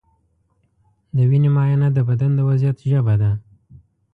د وینې معاینه د بدن د وضعیت ژبه ده.